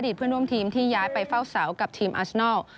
เพื่อนร่วมทีมที่ย้ายไปเฝ้าเสากับทีมอัชนัล